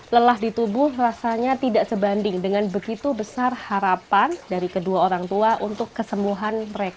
lelah di tubuh rasanya tidak sebanding dengan begitu besar harapan dari kedua orang tua untuk kesembuhan mereka